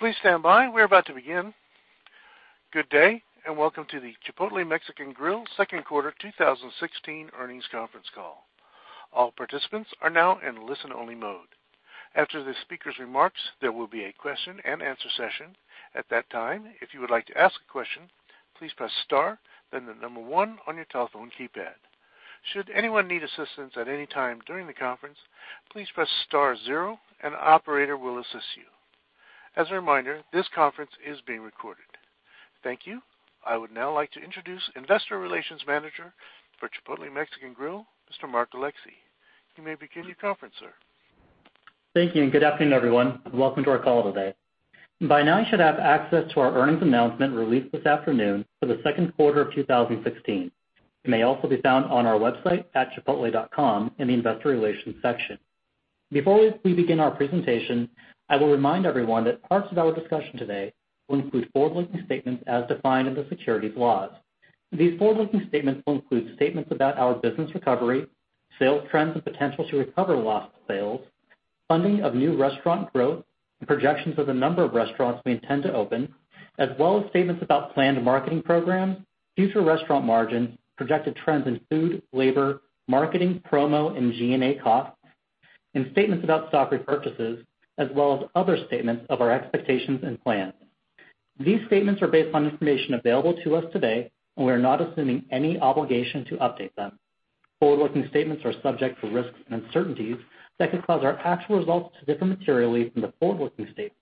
Please stand by. We're about to begin. Good day, and welcome to the Chipotle Mexican Grill second quarter 2016 earnings conference call. All participants are now in listen-only mode. After the speakers' remarks, there will be a question and answer session. At that time, if you would like to ask a question, please press star, then the number one on your telephone keypad. Should anyone need assistance at any time during the conference, please press star zero and an operator will assist you. As a reminder, this conference is being recorded. Thank you. I would now like to introduce investor relations manager for Chipotle Mexican Grill, Mr. Mark Alexee. You may begin your conference, sir. Thank you. Good afternoon, everyone. Welcome to our call today. By now, you should have access to our earnings announcement released this afternoon for the second quarter of 2016. It may also be found on our website at chipotle.com in the investor relations section. Before we begin our presentation, I will remind everyone that parts of our discussion today will include forward-looking statements as defined in the securities laws. These forward-looking statements will include statements about our business recovery, sales trends and potential to recover lost sales, funding of new restaurant growth, projections of the number of restaurants we intend to open, as well as statements about planned marketing programs, future restaurant margins, projected trends in food, labor, marketing, promo, and G&A costs, statements about stock repurchases, as well as other statements of our expectations and plans. These statements are based on information available to us today. We are not assuming any obligation to update them. Forward-looking statements are subject to risks and uncertainties that could cause our actual results to differ materially from the forward-looking statements.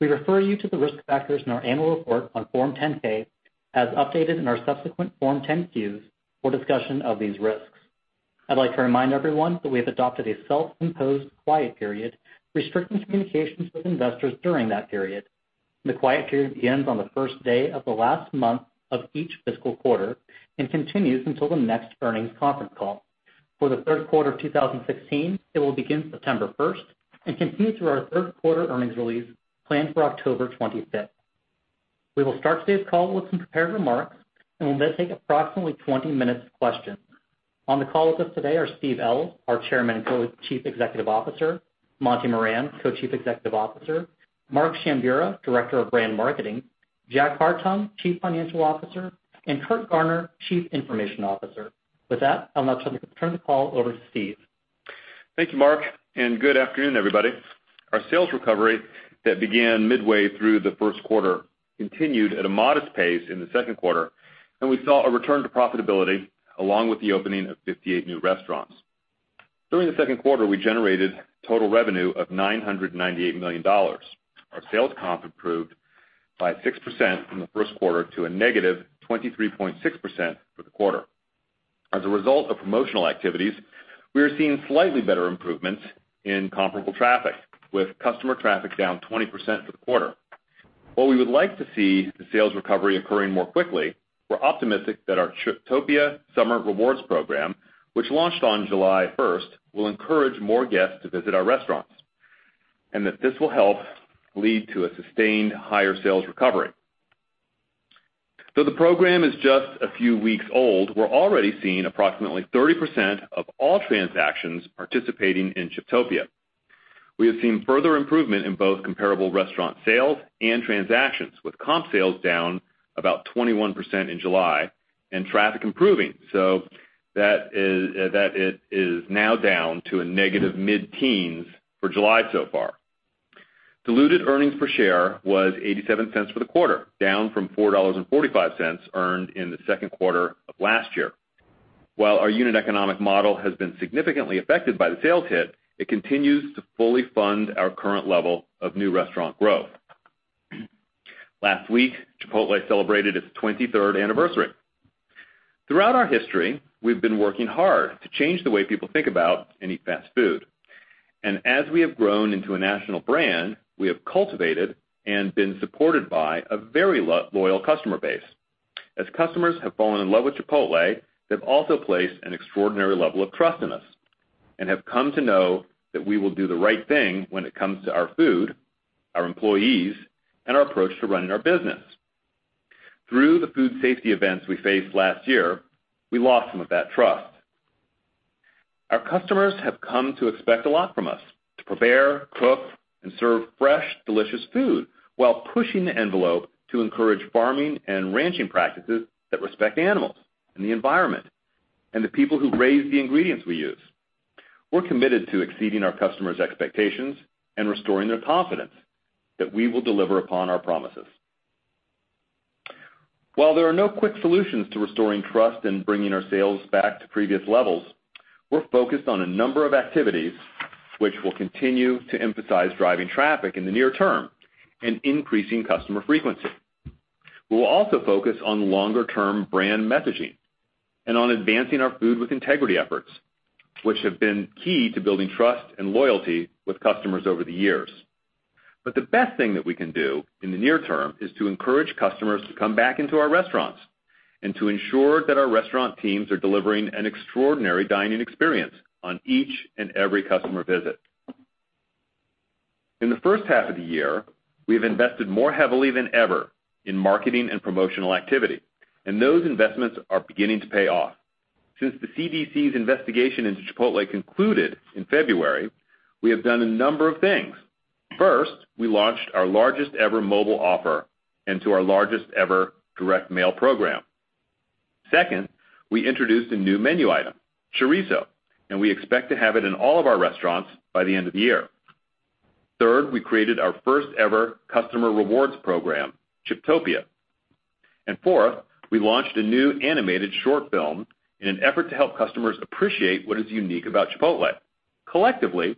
We refer you to the risk factors in our annual report on Form 10-K, as updated in our subsequent Form 10-Q for discussion of these risks. I'd like to remind everyone that we have adopted a self-imposed quiet period, restricting communications with investors during that period. The quiet period begins on the first day of the last month of each fiscal quarter and continues until the next earnings conference call. For the third quarter of 2016, it will begin September first and continue through our third quarter earnings release planned for October twenty-fifth. We will start today's call with some prepared remarks and will then take approximately 20 minutes of questions. On the call with us today are Steve Ells, our Chairman and Co-Chief Executive Officer, Monty Moran, Co-Chief Executive Officer, Mark Shambura, Director of Brand Marketing, Jack Hartung, Chief Financial Officer, and Curt Garner, Chief Information Officer. With that, I'll now turn the call over to Steve. Thank you, Mark, and good afternoon, everybody. Our sales recovery that began midway through the first quarter continued at a modest pace in the second quarter, and we saw a return to profitability along with the opening of 58 new restaurants. During the second quarter, we generated total revenue of $998 million. Our sales comp improved by 6% from the first quarter to a -23.6% for the quarter. As a result of promotional activities, we are seeing slightly better improvements in comparable traffic, with customer traffic down 20% for the quarter. While we would like to see the sales recovery occurring more quickly, we're optimistic that our Chiptopia summer rewards program, which launched on July first, will encourage more guests to visit our restaurants and that this will help lead to a sustained higher sales recovery. Though the program is just a few weeks old, we're already seeing approximately 30% of all transactions participating in Chiptopia. We have seen further improvement in both comparable restaurant sales and transactions, with comp sales down about 21% in July and traffic improving. So that is now down to a negative mid-teens for July so far. Diluted earnings per share was $0.87 for the quarter, down from $4.45 earned in the second quarter of last year. While our unit economic model has been significantly affected by the sales hit, it continues to fully fund our current level of new restaurant growth. Last week, Chipotle celebrated its 23rd anniversary. Throughout our history, we've been working hard to change the way people think about and eat fast food. As we have grown into a national brand, we have cultivated and been supported by a very loyal customer base. As customers have fallen in love with Chipotle, they've also placed an extraordinary level of trust in us and have come to know that we will do the right thing when it comes to our food, our employees, and our approach to running our business. Through the food safety events we faced last year, we lost some of that trust. Our customers have come to expect a lot from us. To prepare, cook, and serve fresh, delicious food while pushing the envelope to encourage farming and ranching practices that respect animals and the environment and the people who raise the ingredients we use. We're committed to exceeding our customers' expectations and restoring their confidence that we will deliver upon our promises. While there are no quick solutions to restoring trust and bringing our sales back to previous levels, we're focused on a number of activities which will continue to emphasize driving traffic in the near term and increasing customer frequency. We will also focus on longer-term brand messaging and on advancing our food with integrity efforts, which have been key to building trust and loyalty with customers over the years. The best thing that we can do in the near term is to encourage customers to come back into our restaurants and to ensure that our restaurant teams are delivering an extraordinary dining experience on each and every customer visit. In the first half of the year, we have invested more heavily than ever in marketing and promotional activity, and those investments are beginning to pay off. Since the CDC's investigation into Chipotle concluded in February, we have done a number of things. First, we launched our largest ever mobile offer into our largest ever direct mail program. Second, we introduced a new menu item, chorizo, and we expect to have it in all of our restaurants by the end of the year. Third, we created our first ever customer rewards program, Chiptopia. Fourth, we launched a new animated short film in an effort to help customers appreciate what is unique about Chipotle. Collectively,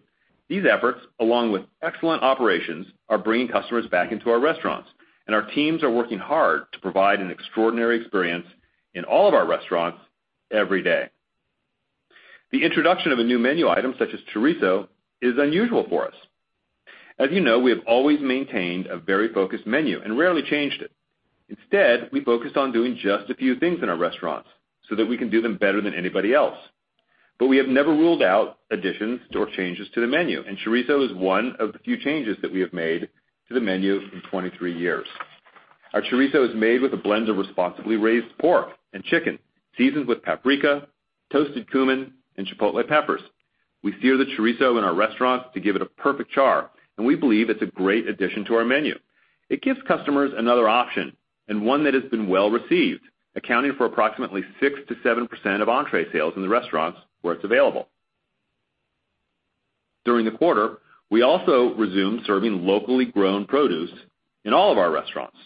these efforts, along with excellent operations, are bringing customers back into our restaurants, and our teams are working hard to provide an extraordinary experience in all of our restaurants every day. The introduction of a new menu item such as chorizo is unusual for us. As you know, we have always maintained a very focused menu and rarely changed it. Instead, we focused on doing just a few things in our restaurants so that we can do them better than anybody else. We have never ruled out additions or changes to the menu, and chorizo is one of the few changes that we have made to the menu in 23 years. Our chorizo is made with a blend of responsibly raised pork and chicken, seasoned with paprika, toasted cumin, and chipotle peppers. We sear the chorizo in our restaurants to give it a perfect char, and we believe it's a great addition to our menu. It gives customers another option, and one that has been well-received, accounting for approximately 6%-7% of entree sales in the restaurants where it's available. During the quarter, we also resumed serving locally grown produce in all of our restaurants.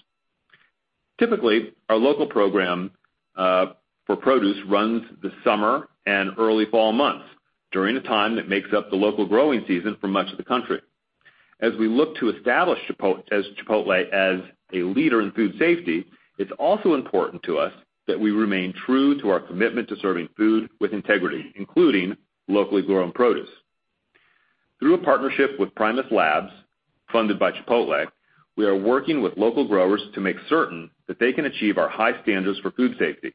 Typically, our local program for produce runs the summer and early fall months during the time that makes up the local growing season for much of the country. As we look to establish Chipotle as a leader in food safety, it's also important to us that we remain true to our commitment to serving food with integrity, including locally grown produce. Through a partnership with PrimusLabs, funded by Chipotle, we are working with local growers to make certain that they can achieve our high standards for food safety,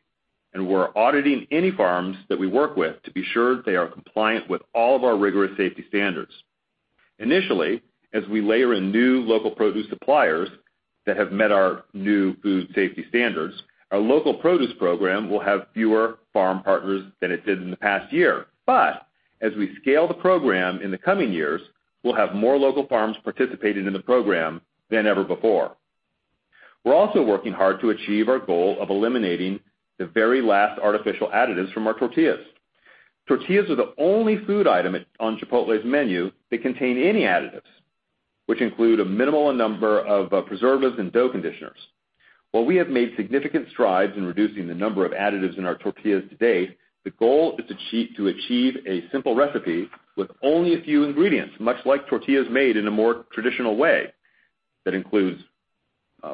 and we're auditing any farms that we work with to be sure they are compliant with all of our rigorous safety standards. Initially, as we layer in new local produce suppliers that have met our new food safety standards, our local produce program will have fewer farm partners than it did in the past year. As we scale the program in the coming years, we'll have more local farms participating in the program than ever before. We're also working hard to achieve our goal of eliminating the very last artificial additives from our tortillas. Tortillas are the only food item on Chipotle's menu that contain any additives, which include a minimal number of preservatives and dough conditioners. While we have made significant strides in reducing the number of additives in our tortillas to date, the goal is to achieve a simple recipe with only a few ingredients, much like tortillas made in a more traditional way that includes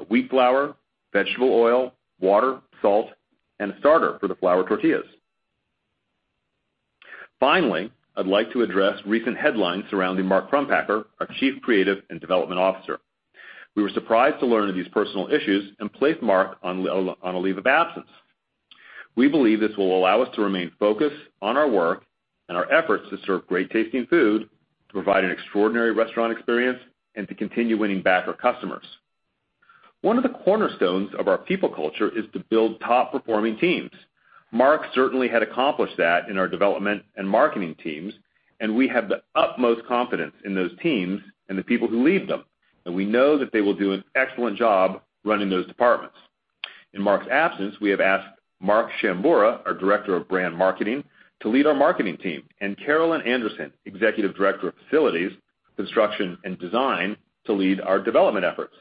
wheat flour, vegetable oil, water, salt, and a starter for the flour tortillas. Finally, I'd like to address recent headlines surrounding Mark Crumpacker, our Chief Creative and Development Officer. We were surprised to learn of these personal issues and placed Mark on a leave of absence. We believe this will allow us to remain focused on our work and our efforts to serve great-tasting food, to provide an extraordinary restaurant experience, and to continue winning back our customers. One of the cornerstones of our people culture is to build top-performing teams. Mark certainly had accomplished that in our development and marketing teams, and we have the utmost confidence in those teams and the people who lead them, and we know that they will do an excellent job running those departments. In Mark's absence, we have asked Mark Shambura, our Director of Brand Marketing, to lead our marketing team, and Carolyn Anderson, Executive Director of Facilities, Construction, and Design, to lead our development efforts.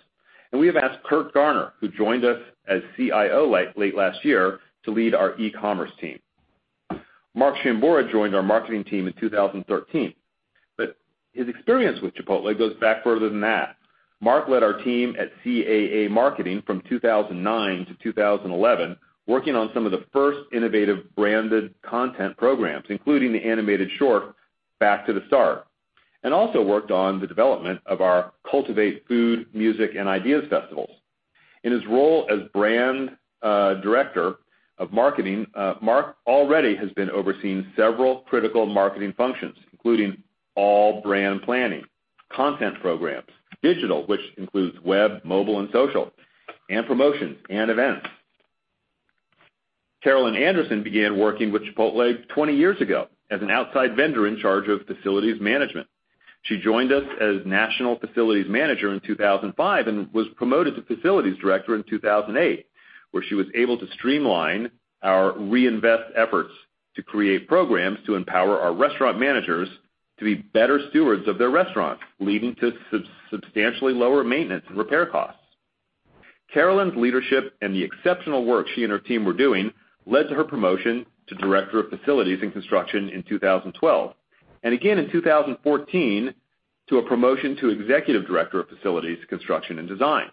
We have asked Curt Garner, who joined us as CIO late last year, to lead our e-commerce team. Mark Schambura joined our marketing team in 2013, his experience with Chipotle goes back further than that. Mark led our team at CAA Marketing from 2009 to 2011, working on some of the first innovative branded content programs, including the animated short, "Back to the Start," and also worked on the development of our Cultivate food, music, and ideas festivals. In his role as brand director of marketing, Mark already has been overseeing several critical marketing functions, including all brand planning, content programs, digital, which includes web, mobile, and social, and promotions and events. Carolyn Anderson began working with Chipotle 20 years ago as an outside vendor in charge of facilities management. She joined us as National Facilities Manager in 2005 and was promoted to Facilities Director in 2008, where she was able to streamline our reinvest efforts to create programs to empower our Restaurateur managers to be better stewards of their restaurants, leading to substantially lower maintenance and repair costs. Carolyn's leadership and the exceptional work she and her team were doing led to her promotion to Director of Facilities and Construction in 2012, and again in 2014, to a promotion to Executive Director of Facilities, Construction, and Design.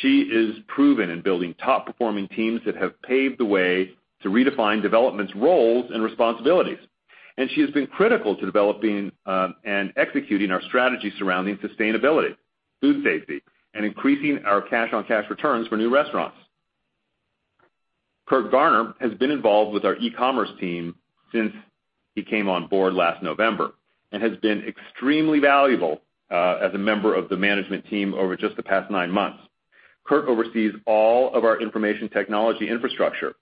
She is proven in building top-performing teams that have paved the way to redefine development's roles and responsibilities. She has been critical to developing and executing our strategy surrounding sustainability, food safety, and increasing our cash on cash returns for new restaurants. Curt Garner has been involved with our e-commerce team since he came on board last November and has been extremely valuable as a member of the management team over just the past nine months. Curt oversees all of our information technology infrastructure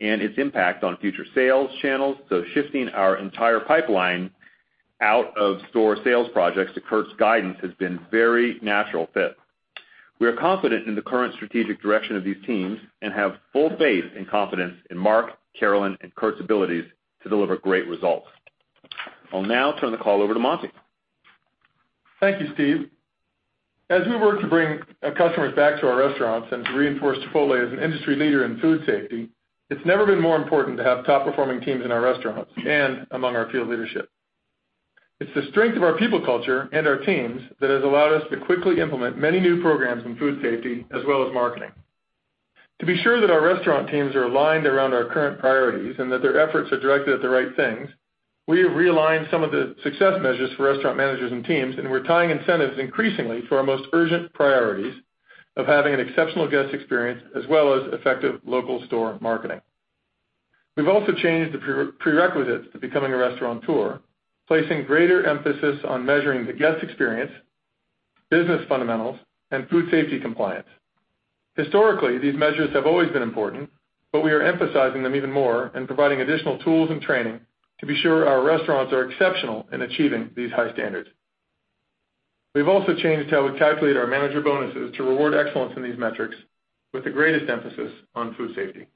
and its impact on future sales channels. Shifting our entire pipeline out of store sales projects to Curt's guidance has been very natural fit. We are confident in the current strategic direction of these teams and have full faith and confidence in Mark, Carolyn, and Curt's abilities to deliver great results. I'll now turn the call over to Monty. Thank you, Steve. As we work to bring our customers back to our restaurants and to reinforce Chipotle as an industry leader in food safety, it's never been more important to have top-performing teams in our restaurants and among our field leadership. It's the strength of our people culture and our teams that has allowed us to quickly implement many new programs in food safety as well as marketing. To be sure that our restaurant teams are aligned around our current priorities and that their efforts are directed at the right things, we have realigned some of the success measures for restaurant managers and teams. We're tying incentives increasingly to our most urgent priorities of having an exceptional guest experience as well as effective local store marketing. We've also changed the prerequisites to becoming a Restaurateur, placing greater emphasis on measuring the guest experience, business fundamentals, and food safety compliance. Historically, these measures have always been important. We are emphasizing them even more and providing additional tools and training to be sure our restaurants are exceptional in achieving these high standards. We've also changed how we calculate our manager bonuses to reward excellence in these metrics with the greatest emphasis on food safety.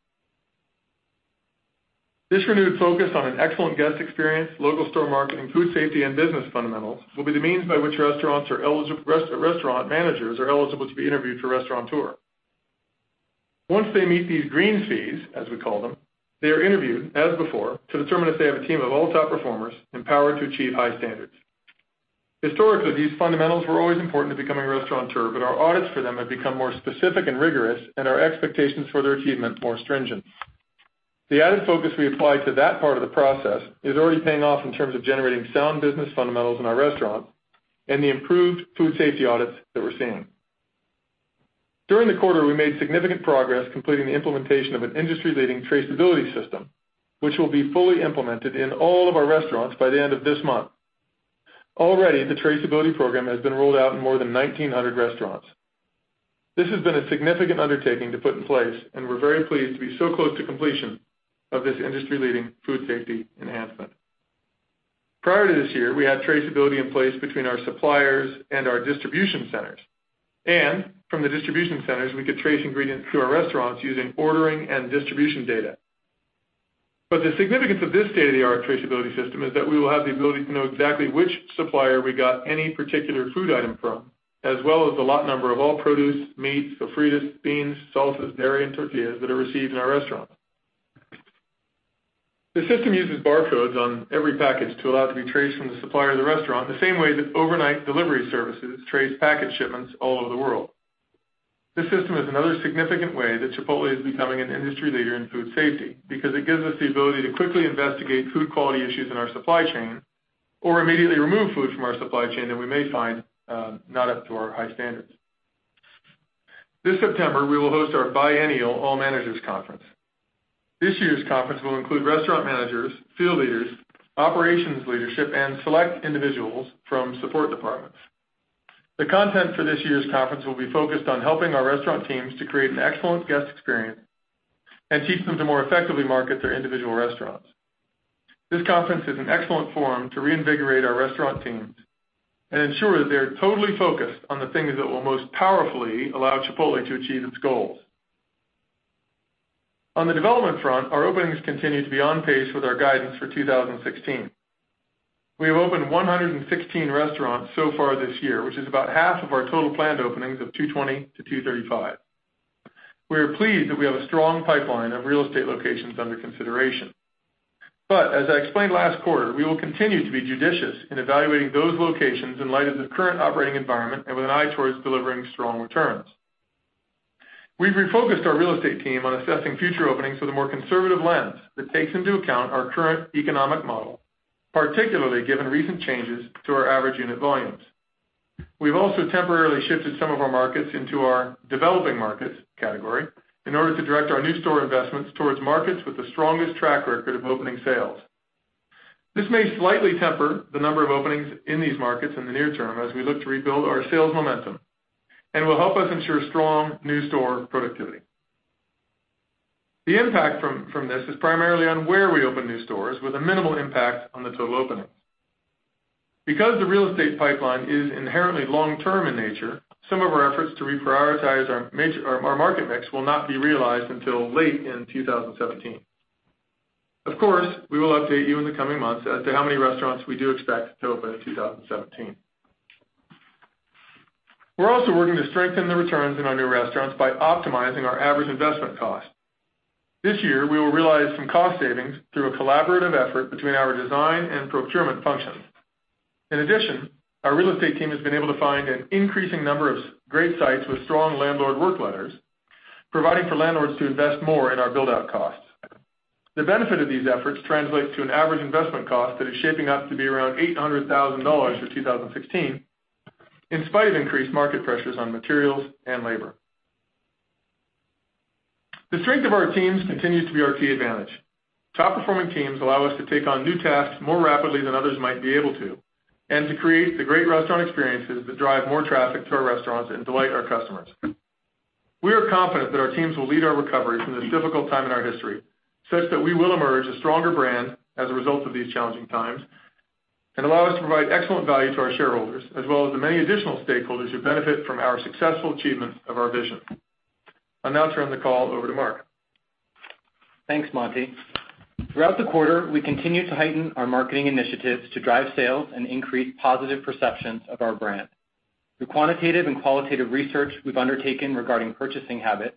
This renewed focus on an excellent guest experience, local store marketing, food safety, and business fundamentals will be the means by which restaurant managers are eligible to be interviewed for Restaurateur. Once they meet these green Cs, as we call them, they are interviewed as before to determine if they have a team of all top performers empowered to achieve high standards. Historically, these fundamentals were always important to becoming a Restaurateur. Our audits for them have become more specific and rigorous, and our expectations for their achievement more stringent. The added focus we applied to that part of the process is already paying off in terms of generating sound business fundamentals in our restaurants and the improved food safety audits that we're seeing. During the quarter, we made significant progress completing the implementation of an industry-leading traceability system, which will be fully implemented in all of our restaurants by the end of this month. Already, the traceability program has been rolled out in more than 1,900 restaurants. This has been a significant undertaking to put in place. We're very pleased to be so close to completion of this industry-leading food safety enhancement. Prior to this year, we had traceability in place between our suppliers and our distribution centers. From the distribution centers, we could trace ingredients to our restaurants using ordering and distribution data. The significance of this state-of-the-art traceability system is that we will have the ability to know exactly which supplier we got any particular food item from, as well as the lot number of all produce, meats, sofritas, beans, salsas, dairy, and tortillas that are received in our restaurants. The system uses barcodes on every package to allow it to be traced from the supplier to the restaurant, the same way that overnight delivery services trace package shipments all over the world. This system is another significant way that Chipotle is becoming an industry leader in food safety because it gives us the ability to quickly investigate food quality issues in our supply chain or immediately remove food from our supply chain that we may find not up to our high standards. This September, we will host our biennial All Managers Conference. This year's conference will include restaurant managers, field leaders, operations leadership, and select individuals from support departments. The content for this year's conference will be focused on helping our restaurant teams to create an excellent guest experience and teach them to more effectively market their individual restaurants. This conference is an excellent forum to reinvigorate our restaurant teams and ensure that they're totally focused on the things that will most powerfully allow Chipotle to achieve its goals. On the development front, our openings continue to be on pace with our guidance for 2016. We have opened 116 restaurants so far this year, which is about half of our total planned openings of 220 to 235. We are pleased that we have a strong pipeline of real estate locations under consideration. As I explained last quarter, we will continue to be judicious in evaluating those locations in light of the current operating environment and with an eye towards delivering strong returns. We've refocused our real estate team on assessing future openings with a more conservative lens that takes into account our current economic model, particularly given recent changes to our average unit volumes. We've also temporarily shifted some of our markets into our developing markets category in order to direct our new store investments towards markets with the strongest track record of opening sales. This may slightly temper the number of openings in these markets in the near term as we look to rebuild our sales momentum and will help us ensure strong new store productivity. The impact from this is primarily on where we open new stores with a minimal impact on the total openings. Because the real estate pipeline is inherently long-term in nature, some of our efforts to reprioritize our market mix will not be realized until late in 2017. Of course, we will update you in the coming months as to how many restaurants we do expect to open in 2017. We're also working to strengthen the returns in our new restaurants by optimizing our average investment cost. This year, we will realize some cost savings through a collaborative effort between our design and procurement functions. In addition, our real estate team has been able to find an increasing number of great sites with strong landlord work letters, providing for landlords to invest more in our build-out costs. The benefit of these efforts translates to an average investment cost that is shaping up to be around $800,000 for 2016, in spite of increased market pressures on materials and labor. The strength of our teams continues to be our key advantage. Top-performing teams allow us to take on new tasks more rapidly than others might be able to, and to create the great restaurant experiences that drive more traffic to our restaurants and delight our customers. We are confident that our teams will lead our recovery from this difficult time in our history, such that we will emerge a stronger brand as a result of these challenging times, and allow us to provide excellent value to our shareholders, as well as the many additional stakeholders who benefit from our successful achievements of our vision. I'll now turn the call over to Mark. Thanks, Monty. Throughout the quarter, we continued to heighten our marketing initiatives to drive sales and increase positive perceptions of our brand. Through quantitative and qualitative research we've undertaken regarding purchasing habits,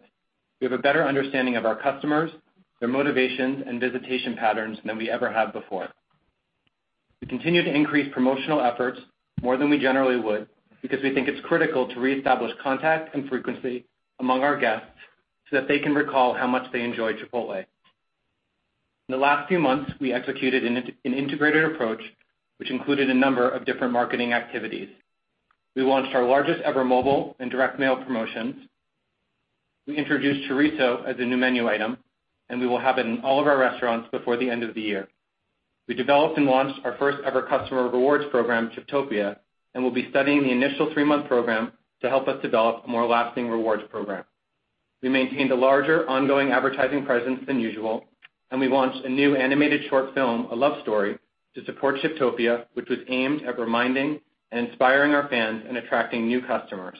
we have a better understanding of our customers, their motivations, and visitation patterns than we ever have before. We continue to increase promotional efforts more than we generally would, because we think it's critical to reestablish contact and frequency among our guests so that they can recall how much they enjoy Chipotle. In the last few months, we executed an integrated approach, which included a number of different marketing activities. We launched our largest-ever mobile and direct mail promotions. We introduced chorizo as a new menu item, and we will have it in all of our restaurants before the end of the year. We developed and launched our first-ever customer rewards program, Chiptopia, and will be studying the initial three-month program to help us develop a more lasting rewards program. We maintained a larger ongoing advertising presence than usual, and we launched a new animated short film, "A Love Story," to support Chiptopia, which was aimed at reminding and inspiring our fans and attracting new customers.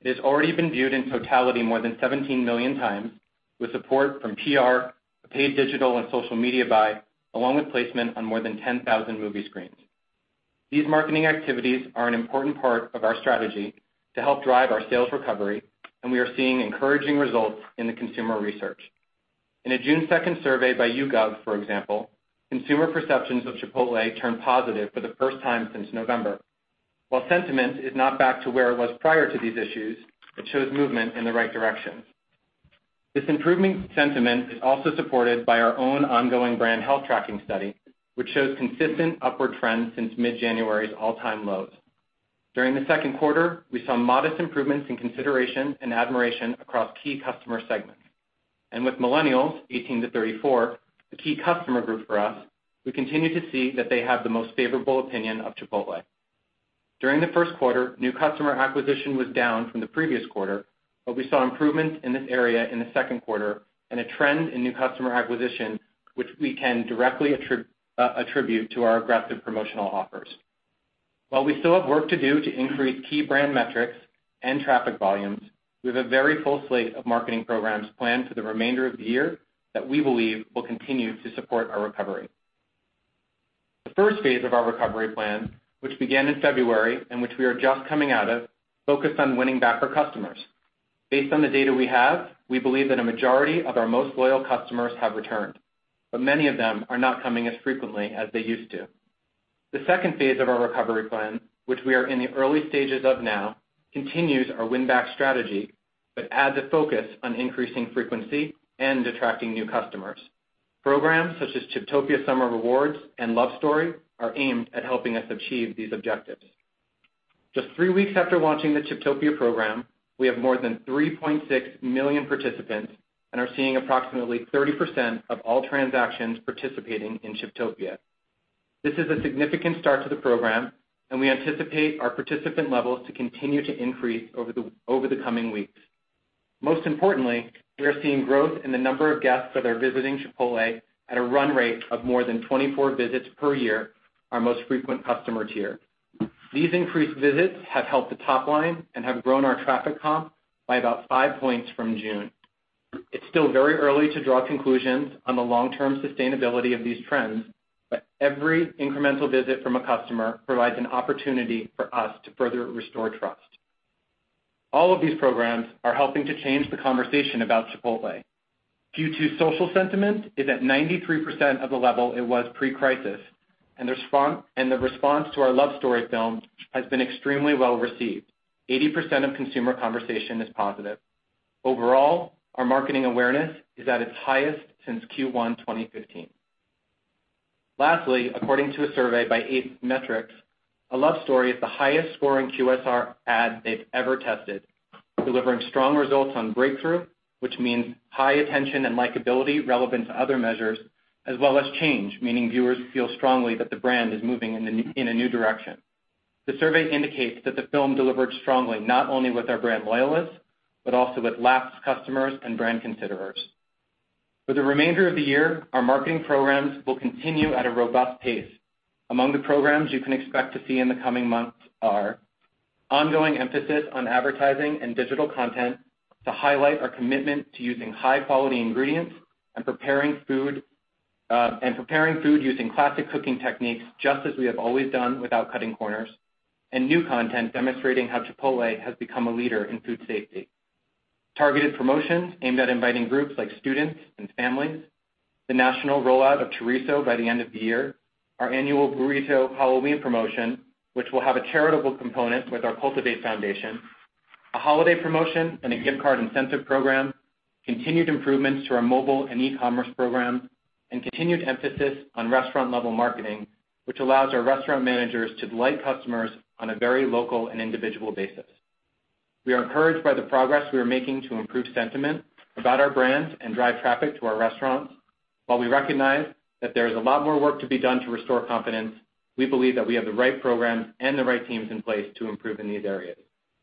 It has already been viewed in totality more than 17 million times, with support from PR, a paid digital and social media buy, along with placement on more than 10,000 movie screens. These marketing activities are an important part of our strategy to help drive our sales recovery, and we are seeing encouraging results in the consumer research. In a June 2nd survey by YouGov, for example, consumer perceptions of Chipotle turned positive for the first time since November. While sentiment is not back to where it was prior to these issues, it shows movement in the right direction. This improvement in sentiment is also supported by our own ongoing brand health tracking study, which shows consistent upward trends since mid-January's all-time lows. During the second quarter, we saw modest improvements in consideration and admiration across key customer segments. With millennials 18 to 34, the key customer group for us, we continue to see that they have the most favorable opinion of Chipotle. During the first quarter, new customer acquisition was down from the previous quarter, but we saw improvement in this area in the second quarter and a trend in new customer acquisition, which we can directly attribute to our aggressive promotional offers. While we still have work to do to increase key brand metrics and traffic volumes, we have a very full slate of marketing programs planned for the remainder of the year that we believe will continue to support our recovery. The first phase of our recovery plan, which began in February and which we are just coming out of, focused on winning back our customers. Based on the data we have, we believe that a majority of our most loyal customers have returned, but many of them are not coming as frequently as they used to. The second phase of our recovery plan, which we are in the early stages of now, continues our win-back strategy, but adds a focus on increasing frequency and attracting new customers. Programs such as Chiptopia Summer Rewards and "Love Story" are aimed at helping us achieve these objectives. Just three weeks after launching the Chiptopia program, we have more than 3.6 million participants and are seeing approximately 30% of all transactions participating in Chiptopia. This is a significant start to the program, and we anticipate our participant levels to continue to increase over the coming weeks. Most importantly, we are seeing growth in the number of guests that are visiting Chipotle at a run rate of more than 24 visits per year, our most frequent customer tier. These increased visits have helped the top line and have grown our traffic comp by about five points from June. It is still very early to draw conclusions on the long-term sustainability of these trends, but every incremental visit from a customer provides an opportunity for us to further restore trust. All of these programs are helping to change the conversation about Chipotle. Q2 social sentiment is at 93% of the level it was pre-crisis. The response to our "Love Story" film has been extremely well-received. 80% of consumer conversation is positive. Overall, our marketing awareness is at its highest since Q1 2015. Lastly, according to a survey by Ace Metrix, "A Love Story" is the highest-scoring QSR ad they have ever tested, delivering strong results on breakthrough, which means high attention and likability relevant to other measures, as well as change, meaning viewers feel strongly that the brand is moving in a new direction. The survey indicates that the film delivered strongly not only with our brand loyalists, but also with lapsed customers and brand considerers. For the remainder of the year, our marketing programs will continue at a robust pace. Among the programs you can expect to see in the coming months are ongoing emphasis on advertising and digital content to highlight our commitment to using high-quality ingredients and preparing food using classic cooking techniques, just as we have always done without cutting corners, and new content demonstrating how Chipotle has become a leader in food safety. Targeted promotions aimed at inviting groups like students and families, the national rollout of chorizo by the end of the year, our annual burrito Halloween promotion, which will have a charitable component with our Cultivate Foundation, a holiday promotion, and a gift card incentive program, continued improvements to our mobile and e-commerce program, and continued emphasis on restaurant-level marketing which allows our restaurant managers to delight customers on a very local and individual basis. We are encouraged by the progress we are making to improve sentiment about our brands and drive traffic to our restaurants. While we recognize that there is a lot more work to be done to restore confidence, we believe that we have the right programs and the right teams in place to improve in these areas.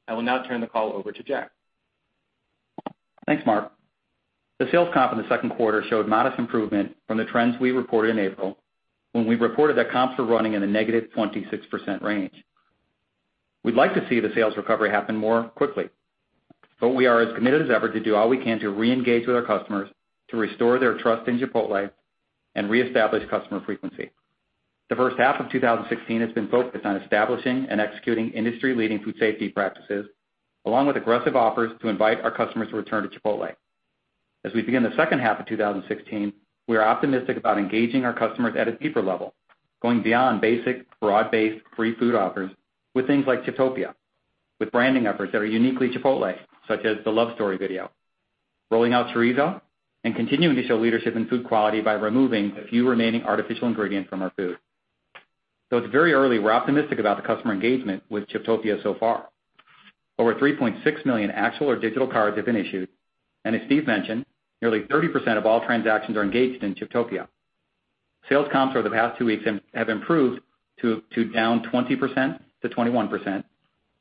I will now turn the call over to Jack. Thanks, Mark. The sales comp in the second quarter showed modest improvement from the trends we reported in April, when we reported that comps were running in a -26% range. We'd like to see the sales recovery happen more quickly, but we are as committed as ever to do all we can to re-engage with our customers, to restore their trust in Chipotle, and reestablish customer frequency. The first half of 2016 has been focused on establishing and executing industry-leading food safety practices, along with aggressive offers to invite our customers to return to Chipotle. As we begin the second half of 2016, we are optimistic about engaging our customers at a deeper level, going beyond basic, broad-based free food offers with things like Chiptopia, with branding efforts that are uniquely Chipotle, such as the A Love Story video, rolling out chorizo, and continuing to show leadership in food quality by removing the few remaining artificial ingredients from our food. Though it's very early, we're optimistic about the customer engagement with Chiptopia so far. Over 3.6 million actual or digital cards have been issued, and as Steve mentioned, nearly 30% of all transactions are engaged in Chiptopia. Sales comps over the past two weeks have improved to -20% to -21%,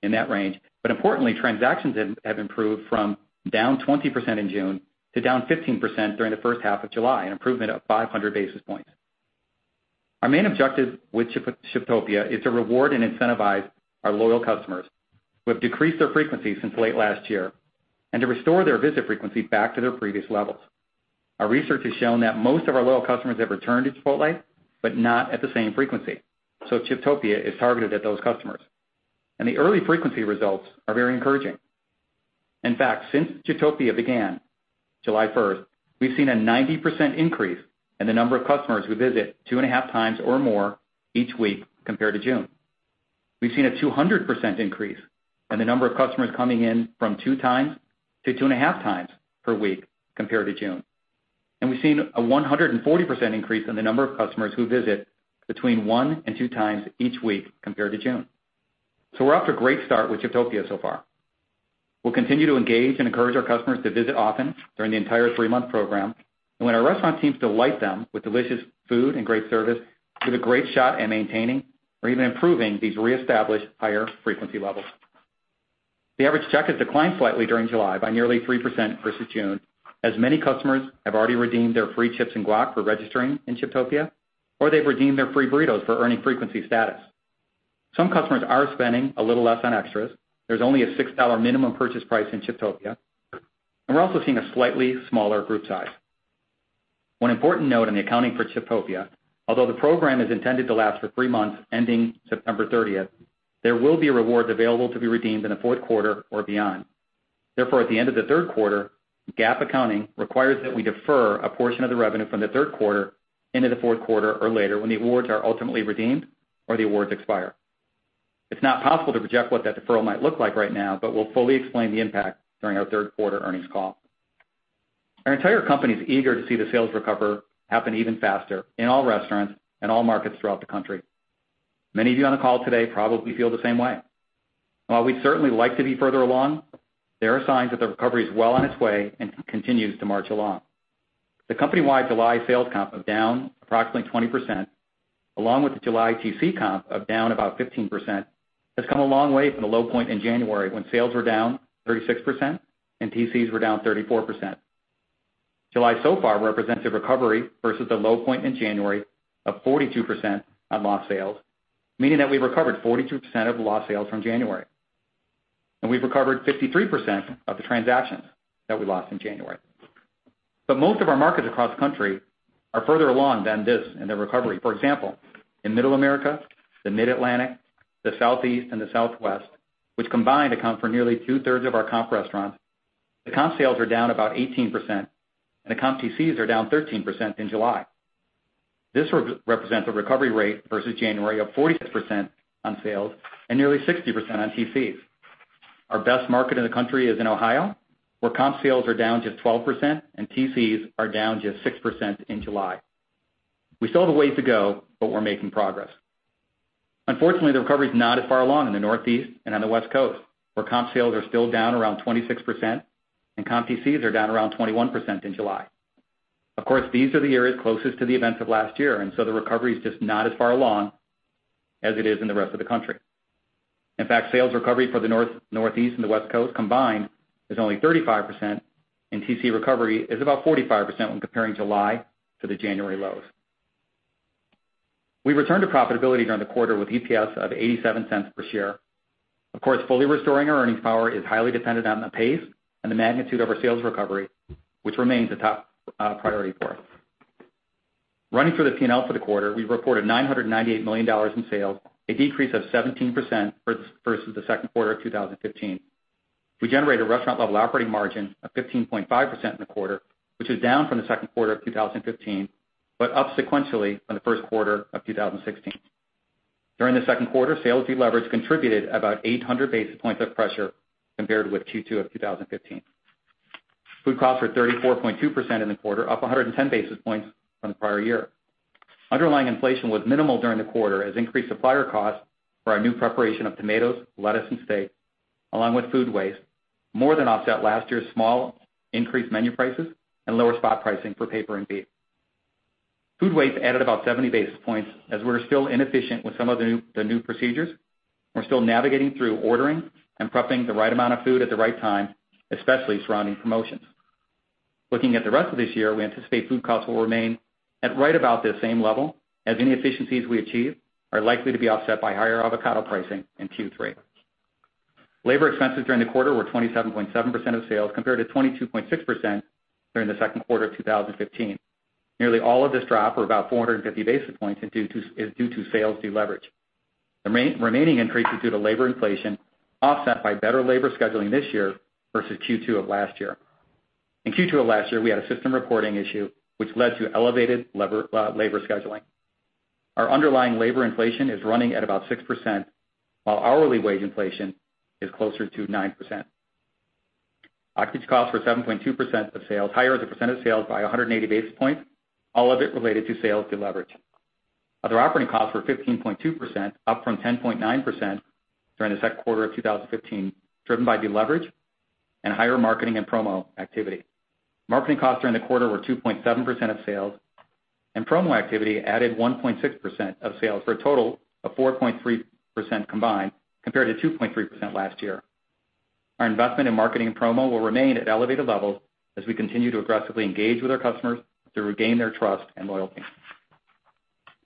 in that range. Importantly, transactions have improved from -20% in June to -15% during the first half of July, an improvement of 500 basis points. Our main objective with Chiptopia is to reward and incentivize our loyal customers who have decreased their frequency since late last year and to restore their visit frequency back to their previous levels. Our research has shown that most of our loyal customers have returned to Chipotle, but not at the same frequency. Chiptopia is targeted at those customers. The early frequency results are very encouraging. In fact, since Chiptopia began July 1st, we've seen a 90% increase in the number of customers who visit two and a half times or more each week, compared to June. We've seen a 200% increase in the number of customers coming in from two times to two and a half times per week, compared to June. We've seen a 140% increase in the number of customers who visit between one and two times each week, compared to June. We're off to a great start with Chiptopia so far. We'll continue to engage and encourage our customers to visit often during the entire three-month program. When our restaurant teams delight them with delicious food and great service, we have a great shot at maintaining or even improving these reestablished higher frequency levels. The average check has declined slightly during July by nearly 3% versus June, as many customers have already redeemed their free chips and guac for registering in Chiptopia, or they've redeemed their free burritos for earning frequency status. Some customers are spending a little less on extras. There's only a $6 minimum purchase price in Chiptopia. We're also seeing a slightly smaller group size. One important note on the accounting for Chiptopia, although the program is intended to last for three months ending September 30th, there will be rewards available to be redeemed in the fourth quarter or beyond. At the end of the third quarter, GAAP accounting requires that we defer a portion of the revenue from the third quarter into the fourth quarter or later, when the awards are ultimately redeemed or the awards expire. It's not possible to project what that deferral might look like right now, but we'll fully explain the impact during our third quarter earnings call. Our entire company's eager to see the sales recover happen even faster in all restaurants and all markets throughout the country. Many of you on the call today probably feel the same way. While we'd certainly like to be further along, there are signs that the recovery is well on its way and continues to march along. The company-wide July sales comp of down approximately 20%, along with the July TC comp of down about 15%, has come a long way from the low point in January, when sales were down 36% and TCs were down 34%. July so far represents a recovery versus the low point in January of 42% on lost sales, meaning that we've recovered 42% of the lost sales from January. We've recovered 53% of the transactions that we lost in January. Most of our markets across the country are further along than this in their recovery. For example, in Middle America, the Mid-Atlantic, the Southeast and the Southwest, which combined account for nearly two-thirds of our comp restaurants, the comp sales are down about 18%, and the comp TCs are down 13% in July. This represents a recovery rate versus January of 46% on sales and nearly 60% on TCs. Our best market in the country is in Ohio, where comp sales are down just 12% and TCs are down just 6% in July. We still have a ways to go, but we're making progress. Unfortunately, the recovery's not as far along in the Northeast and on the West Coast, where comp sales are still down around 26% and comp TCs are down around 21% in July. Of course, these are the areas closest to the events of last year, the recovery's just not as far along as it is in the rest of the country. In fact, sales recovery for the Northeast and the West Coast combined is only 35%, and TC recovery is about 45% when comparing July to the January lows. We returned to profitability during the quarter with EPS of $0.87 per share. Of course, fully restoring our earnings power is highly dependent on the pace and the magnitude of our sales recovery, which remains a top priority for us. Running through the P&L for the quarter, we reported $998 million in sales, a decrease of 17% versus the second quarter of 2015. We generated restaurant-level operating margin of 15.5% in the quarter, which is down from the second quarter of 2015, but up sequentially from the first quarter of 2016. During the second quarter, sales deleverage contributed about 800 basis points of pressure compared with Q2 of 2015. Food costs were 34.2% in the quarter, up 110 basis points from the prior year. Underlying inflation was minimal during the quarter as increased supplier costs for our new preparation of tomatoes, lettuce, and steak, along with food waste, more than offset last year's small increased menu prices and lower spot pricing for paper and beef. Food waste added about 70 basis points, as we're still inefficient with some of the new procedures, and we're still navigating through ordering and prepping the right amount of food at the right time, especially surrounding promotions. Looking at the rest of this year, we anticipate food costs will remain at right about this same level, as any efficiencies we achieve are likely to be offset by higher avocado pricing in Q3. Labor expenses during the quarter were 27.7% of sales, compared to 22.6% during the second quarter of 2015. Nearly all of this drop, or about 450 basis points, is due to sales deleverage. The remaining increase is due to labor inflation offset by better labor scheduling this year versus Q2 of last year. In Q2 of last year, we had a system reporting issue, which led to elevated labor scheduling. Our underlying labor inflation is running at about 6%, while hourly wage inflation is closer to 9%. Occupancy costs were 7.2% of sales, higher as a percent of sales by 180 basis points, all of it related to sales deleverage. Other operating costs were 15.2%, up from 10.9% during the second quarter of 2015, driven by deleverage and higher marketing and promo activity. Marketing costs during the quarter were 2.7% of sales, and promo activity added 1.6% of sales, for a total of 4.3% combined, compared to 2.3% last year. Our investment in marketing and promo will remain at elevated levels as we continue to aggressively engage with our customers to regain their trust and loyalty.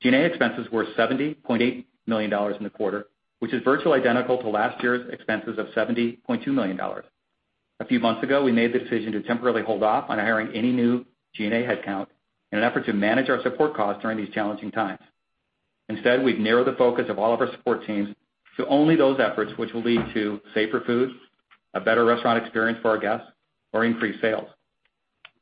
G&A expenses were $70.8 million in the quarter, which is virtually identical to last year's expenses of $70.2 million. A few months ago, we made the decision to temporarily hold off on hiring any new G&A headcount in an effort to manage our support costs during these challenging times. Instead, we've narrowed the focus of all of our support teams to only those efforts which will lead to safer food, a better restaurant experience for our guests, or increased sales.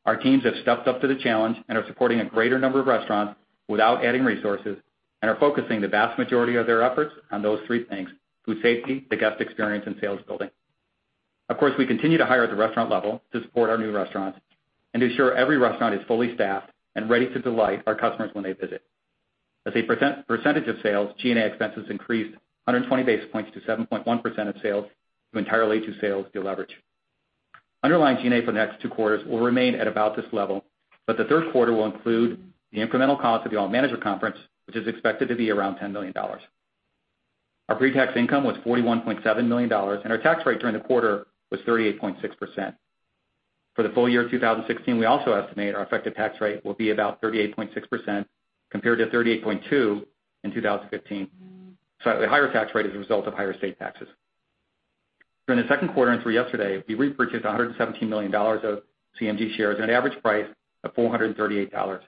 Our teams have stepped up to the challenge and are supporting a greater number of restaurants without adding resources and are focusing the vast majority of their efforts on those three things, food safety, the guest experience, and sales building. Of course, we continue to hire at the restaurant level to support our new restaurants and to ensure every restaurant is fully staffed and ready to delight our customers when they visit. As a percentage of sales, G&A expenses increased 120 basis points to 7.1% of sales, due entirely to sales deleverage. Underlying G&A for the next two quarters will remain at about this level, but the third quarter will include the incremental cost of the All Manager Conference, which is expected to be around $10 million. Our pre-tax income was $41.7 million, and our tax rate during the quarter was 38.6%. For the full year 2016, we also estimate our effective tax rate will be about 38.6%, compared to 38.2% in 2015. Slightly higher tax rate is a result of higher state taxes. During the second quarter and through yesterday, we repurchased $117 million of CMG shares at an average price of $438.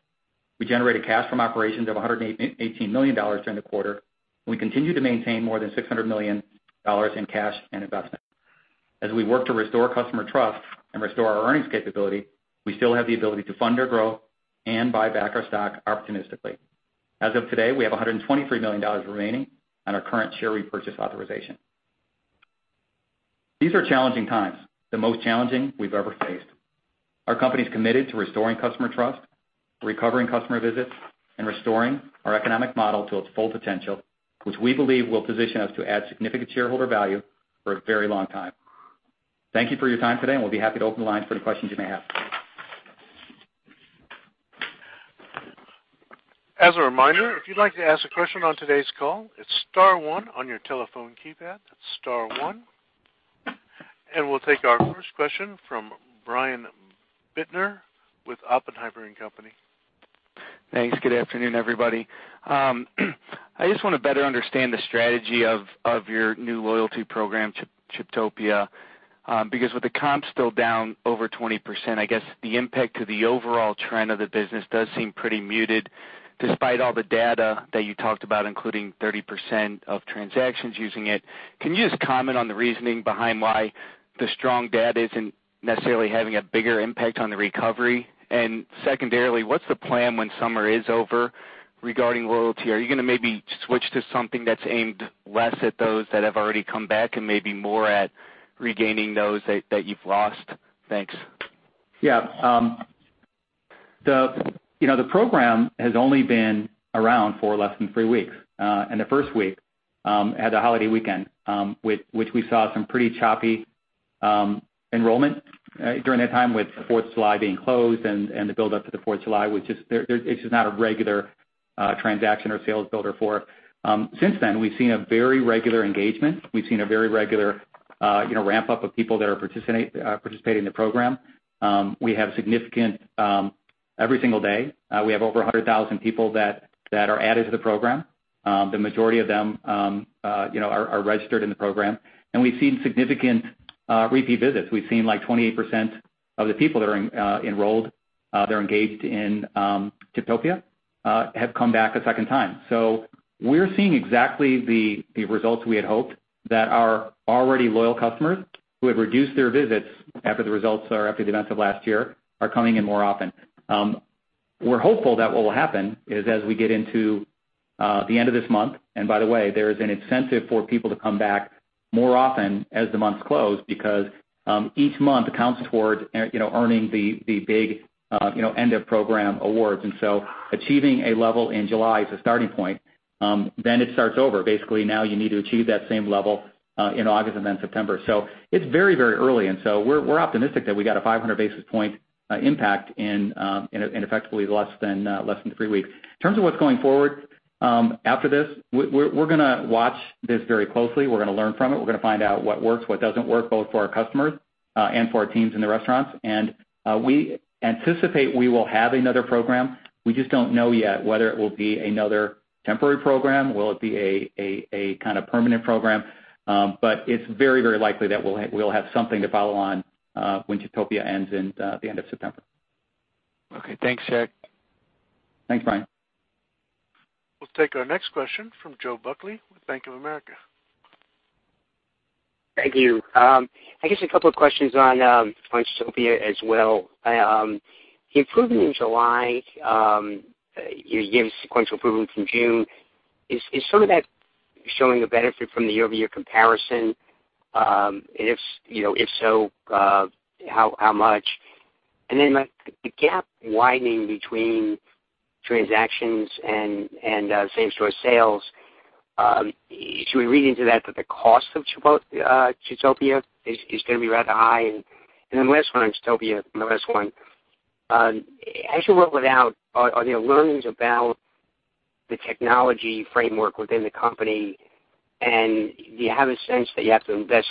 We generated cash from operations of $118 million during the quarter, and we continue to maintain more than $600 million in cash and investments. As we work to restore customer trust and restore our earnings capability, we still have the ability to fund our growth and buy back our stock opportunistically. As of today, we have $123 million remaining on our current share repurchase authorization. These are challenging times, the most challenging we've ever faced. Our company's committed to restoring customer trust, recovering customer visits, and restoring our economic model to its full potential, which we believe will position us to add significant shareholder value for a very long time. Thank you for your time today, and we'll be happy to open the lines for any questions you may have. As a reminder, if you'd like to ask a question on today's call, it's star one on your telephone keypad. Star one. We'll take our first question from Brian Bittner with Oppenheimer & Co.. Thanks. Good afternoon, everybody. I just want to better understand the strategy of your new loyalty program, Chiptopia, because with the comps still down over 20%, I guess the impact to the overall trend of the business does seem pretty muted, despite all the data that you talked about, including 30% of transactions using it. Can you just comment on the reasoning behind why the strong data isn't necessarily having a bigger impact on the recovery? Secondarily, what's the plan when summer is over regarding loyalty? Are you going to maybe switch to something that's aimed less at those that have already come back and maybe more at regaining those that you've lost? Thanks. Yeah. The program has only been around for less than three weeks. In the first week, at the holiday weekend, which we saw some pretty choppy enrollment during that time with 4th of July being closed and the build-up to the 4th of July, which it's just not a regular transaction or sales builder for. Since then, we've seen a very regular engagement. We've seen a very regular ramp-up of people that are participating in the program. Every single day, we have over 100,000 people that are added to the program. The majority of them are registered in the program, and we've seen significant repeat visits. We've seen like 28% of the people that are enrolled, that are engaged in Chiptopia, have come back a second time. We're seeing exactly the results we had hoped, that our already loyal customers who have reduced their visits after the events of last year are coming in more often. We're hopeful that what will happen is as we get into the end of this month, and by the way, there is an incentive for people to come back more often as the months close because each month counts towards earning the big end of program awards. Achieving a level in July is a starting point. It starts over. Basically, now you need to achieve that same level in August and then September. It's very early, and so we're optimistic that we got a 500 basis point impact in effectively less than three weeks. In terms of what's going forward after this, we're going to watch this very closely. We're going to learn from it. We're going to find out what works, what doesn't work, both for our customers and for our teams in the restaurants. We anticipate we will have another program. We just don't know yet whether it will be another temporary program. Will it be a kind of permanent program? It's very likely that we'll have something to follow on when Chiptopia ends in the end of September. Okay. Thanks, Jack. Thanks, Brian. We'll take our next question from Joe Buckley with Bank of America. Thank you. I guess a couple of questions on Chiptopia as well. Improvement in July, you gave sequential improvement from June. Is some of that showing a benefit from the year-over-year comparison? If so, how much? The gap widening between transactions and same-store sales, should we read into that the cost of Chiptopia is going to be rather high? Last one on Chiptopia. As you roll it out, are there learnings about the technology framework within the company, and do you have a sense that you have to invest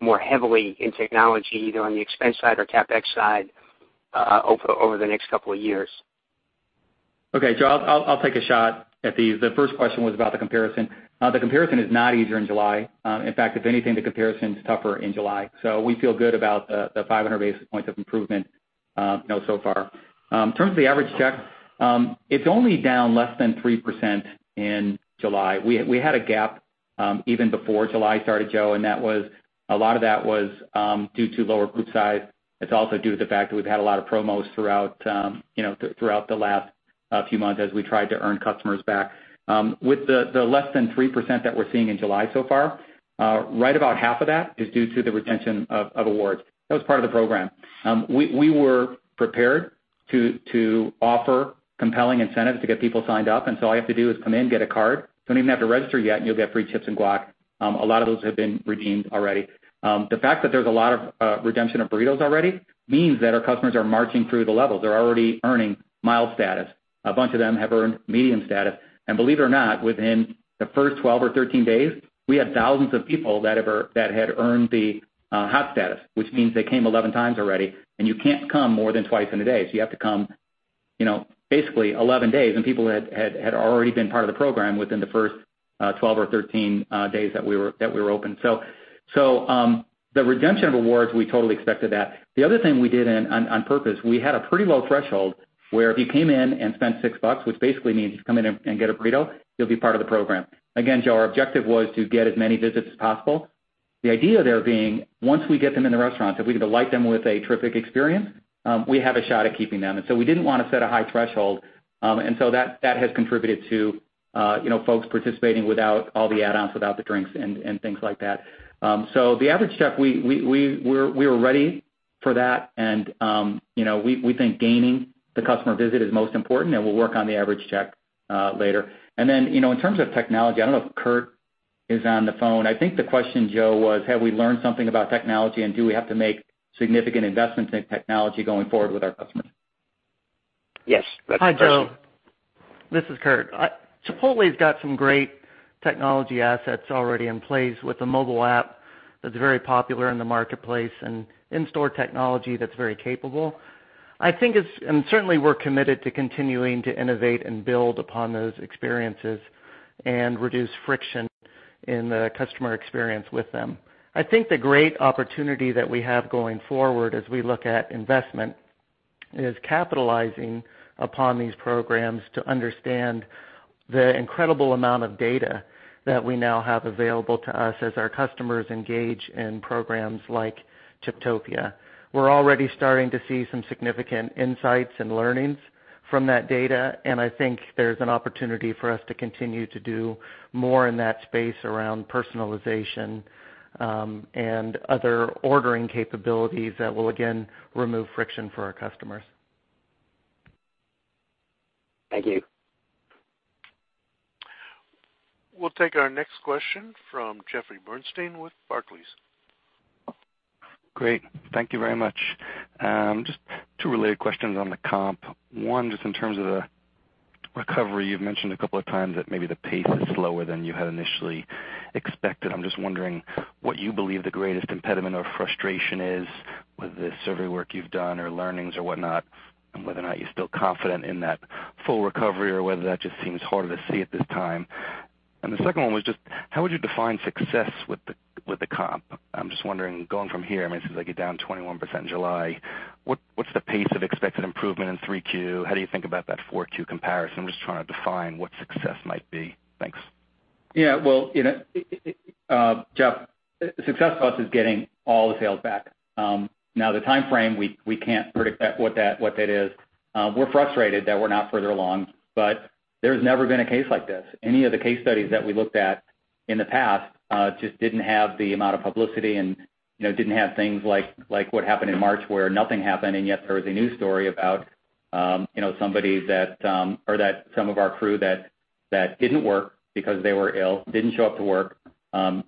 more heavily in technology, either on the expense side or CapEx side over the next couple of years? Okay. Joe, I'll take a shot at these. The first question was about the comparison. The comparison is not easier in July. In fact, if anything, the comparison's tougher in July. We feel good about the 500 basis points of improvement so far. In terms of the average check, it's only down less than 3% in July. We had a gap even before July started, Joe, a lot of that was due to lower group size. It's also due to the fact that we've had a lot of promos throughout the last few months as we tried to earn customers back. With the less than 3% that we're seeing in July so far, right about half of that is due to the retention of awards. That was part of the program. We were prepared to offer compelling incentives to get people signed up. All you have to do is come in, get a card. Don't even have to register yet, and you'll get free chips and guac. A lot of those have been redeemed already. The fact that there's a lot of redemption of burritos already means that our customers are marching through the levels. They're already earning mild status. A bunch of them have earned medium status. Believe it or not, within the first 12 or 13 days, we had thousands of people that had earned the hot status, which means they came 11 times already, and you can't come more than twice in a day. You have to come basically 11 days, and people had already been part of the program within the first 12 or 13 days that we were open. The redemption of awards, we totally expected that. The other thing we did on purpose, we had a pretty low threshold where if you came in and spent $6, which basically means you come in and get a burrito, you'll be part of the program. Again, Joe, our objective was to get as many visits as possible. The idea there being, once we get them in the restaurants, if we delight them with a terrific experience, we have a shot at keeping them. We didn't want to set a high threshold. That has contributed to folks participating without all the add-ons, without the drinks and things like that. The average check, we were ready for that, and we think gaining the customer visit is most important, and we'll work on the average check later. In terms of technology, I don't know if Curt is on the phone. I think the question, Joe, was have we learned something about technology, do we have to make significant investments in technology going forward with our customers? Yes, that's. Hi, Joe. This is Curt. Chipotle's got some great technology assets already in place with a mobile app that's very popular in the marketplace and in-store technology that's very capable. Certainly, we're committed to continuing to innovate and build upon those experiences and reduce friction in the customer experience with them. I think the great opportunity that we have going forward as we look at investment is capitalizing upon these programs to understand the incredible amount of data that we now have available to us as our customers engage in programs like Chiptopia. We're already starting to see some significant insights and learnings from that data, I think there's an opportunity for us to continue to do more in that space around personalization, and other ordering capabilities that will again remove friction for our customers. Thank you. We'll take our next question from Jeffrey Bernstein with Barclays. Great. Thank you very much. Just two related questions on the comp. One, just in terms of the recovery, you've mentioned a couple of times that maybe the pace is slower than you had initially expected. I'm just wondering what you believe the greatest impediment or frustration is with the survey work you've done or learnings or whatnot, and whether or not you're still confident in that full recovery or whether that just seems harder to see at this time. The second one was just how would you define success with the comp? I'm just wondering, going from here, since they get down 21% in July, what's the pace of expected improvement in Q3? How do you think about that Q4 comparison? I'm just trying to define what success might be. Thanks. Well, Jeff, success for us is getting all the sales back. The timeframe, we can't predict what that is. We're frustrated that we're not further along, There's never been a case like this. Any of the case studies that we looked at in the past just didn't have the amount of publicity and didn't have things like what happened in March where nothing happened, and yet there was a news story about some of our crew that didn't work because they were ill, didn't show up to work.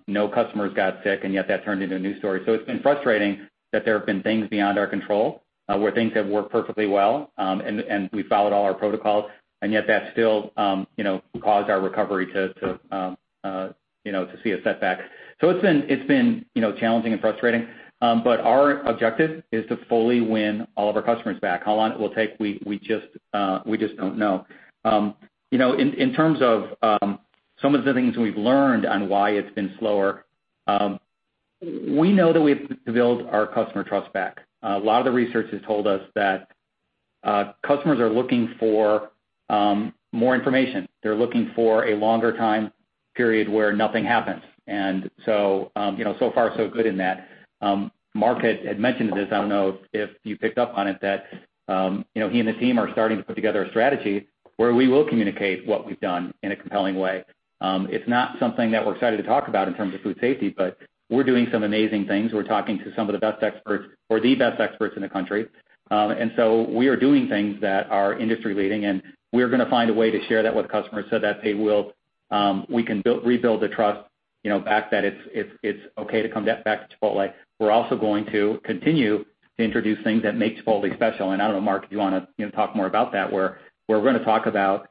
No customers got sick, and yet that turned into a news story. It's been frustrating that there have been things beyond our control, where things have worked perfectly well, and we followed all our protocols, and yet that still caused our recovery to see a setback. It's been challenging and frustrating. Our objective is to fully win all of our customers back. How long it will take, we just don't know. In terms of some of the things we've learned on why it's been slower, we know that we have to build our customer trust back. A lot of the research has told us that customers are looking for more information. They're looking for a longer time period where nothing happens. So far, so good in that. Mark had mentioned this, I don't know if you picked up on it, that he and the team are starting to put together a strategy where we will communicate what we've done in a compelling way. It's not something that we're excited to talk about in terms of food safety, but we're doing some amazing things. We're talking to some of the best experts, or the best experts in the country. We are doing things that are industry leading, and we're going to find a way to share that with customers so that we can rebuild the trust back that it's okay to come back to Chipotle. We're also going to continue to introduce things that make Chipotle special. I don't know, Mark, if you want to talk more about that, where we're going to talk about